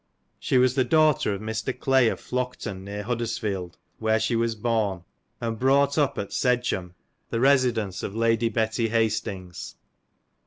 She was the daughter of Mr. Clay, of Flockton, near Huddersfield, where she was born, and brought up at Sedgham, the residence of Lady Betty Hastings.